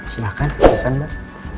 silahkan tulisan mbak